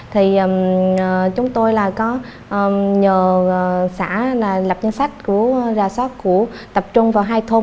thì chúng tôi là có nhờ xã lập danh sách của ra soát tập trung vào hai thôn